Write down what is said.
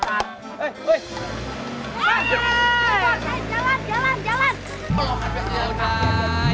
jalan jalan jalan